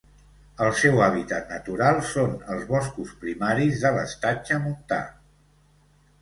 El seu hàbitat natural són els boscos primaris de l'estatge montà.